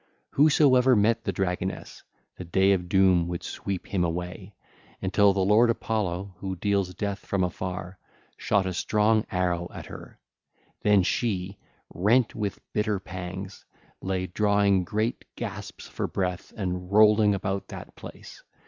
Whosoever met the dragoness, the day of doom would sweep him away, until the lord Apollo, who deals death from afar, shot a strong arrow at her. Then she, rent with bitter pangs, lay drawing great gasps for breath and rolling about that place.